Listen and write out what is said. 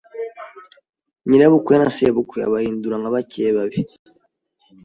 nyirabukwe na sebukwe abahindura nka bakeba be